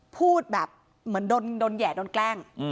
พูดแบบเหมือนโดนแห่โดนแกล้ง